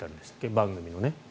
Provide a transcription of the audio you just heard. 番組のね。